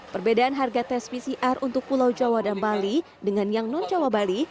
perbedaan harga tes pcr untuk pulau jawa dan bali dengan yang non jawa bali